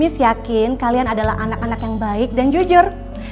saya yakin kalian adalah anak anak yang baik dan jujur